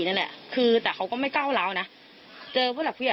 นั่นแหละคือแต่เขาก็ไม่ก้าวร้าวนะเจอผู้หลักผู้ใหญ่